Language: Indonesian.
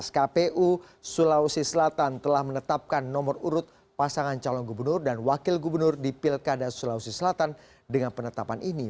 kpu sulawesi selatan telah menetapkan nomor urut pasangan calon gubernur dan wakil gubernur di pilkada sulawesi selatan dengan penetapan ini